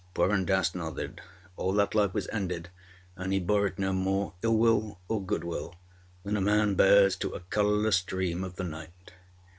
Purun Dass nodded. All that life was ended; and he bore it no more ill will or good will than a man bears to a colourless dream of the night.